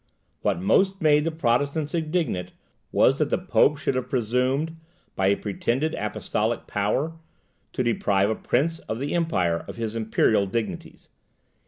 What most made the Protestants indignant, was that the Pope should have presumed, by a pretended apostolic power, to deprive a prince of the empire of his imperial dignities.